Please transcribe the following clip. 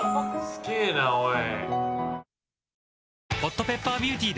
すげえなおい。